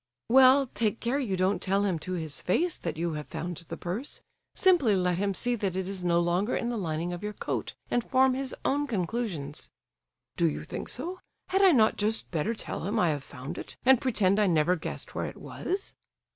"Well, take care you don't tell him to his face that you have found the purse. Simply let him see that it is no longer in the lining of your coat, and form his own conclusions." "Do you think so? Had I not just better tell him I have found it, and pretend I never guessed where it was?"